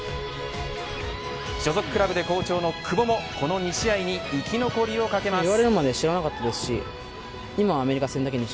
所属クラブで好調の久保もこの２試合に生き残りを懸けます。